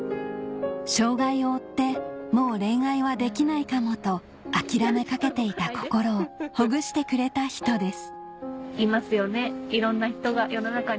障害を負ってもう恋愛はできないかもと諦めかけていた心をほぐしてくれた人です